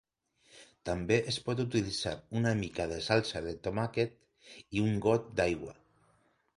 També es pot utilitzar una mica de salsa de tomàquet i un got d'aigua.